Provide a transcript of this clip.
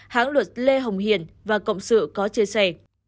hãng luật lê hồng hiền và cộng sự có chia sẻ